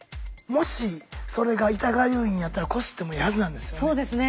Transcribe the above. もしそれが痛がゆいんやったらこすってもいいはずなんですよね。